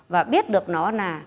và biết được nó là